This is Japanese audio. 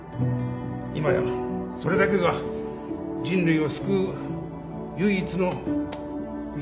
今やそれだけが人類を救う唯一の道なのであります。